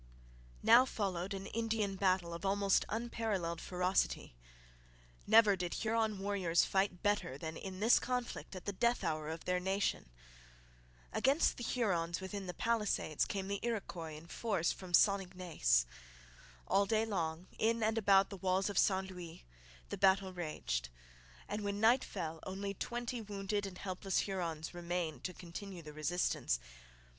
Now followed an Indian battle of almost unparalleled ferocity. Never did Huron warriors fight better than in this conflict at the death hour of their nation. Against the Hurons within the palisades came the Iroquois in force from St Ignace. All day long, in and about the walls of St Louis, the battle raged; and when night fell only twenty wounded and helpless Hurons remained to continue the resistance.